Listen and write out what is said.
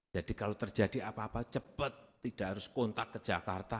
jadi kalau terjadi apa apa cepat tidak harus kontak ke jakarta